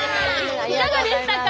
いかがでしたか？